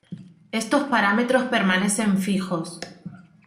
Estos parámetros permanecen fijos.